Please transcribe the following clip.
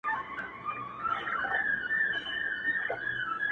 دا حالت د هغې رواني ماتې ژور انځور دی